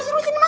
suruh sini mas